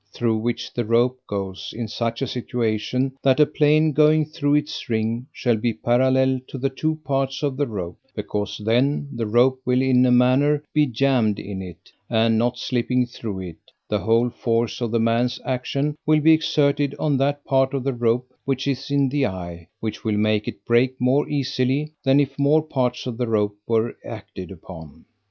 3) thro' which the rope goes, in such a situation, that a plane going thro' its ring shall be parallel to the two parts of the rope; because then the rope will in a manner be jamm'd in it, and not slipping thro' it, the whole force of the man's action will be exerted on that part of the rope which is in the eye, which will make it break more easily than if more parts of the rope were acted upon.